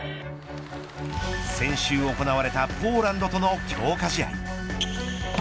先週行われたポーランドとの強化試合。